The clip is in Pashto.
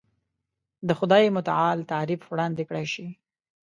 د خدای متعالي تعریف وړاندې کړای شي.